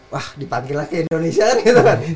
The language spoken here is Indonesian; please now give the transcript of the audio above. wah dipanggil lagi ke indonesia kan